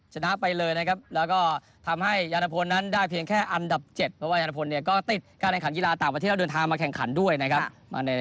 ชนะไปเลยนะครับแล้วก็ทำให้ยานพลนั้นได้เพียงแค่อันดับ๗เพราะว่ายานพลเนี่ยก็ติดการแข่งขันกีฬาต่างประเทศแล้วเดินทางมาแข่งขันด้วยนะครับ